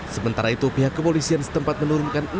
sementara itu pihak kepolisian setempat menurunkan